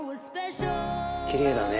きれいだね。